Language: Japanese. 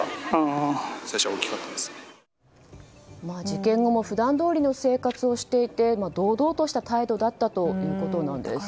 事件後も普段どおりの生活をしていて堂々とした態度だったということです。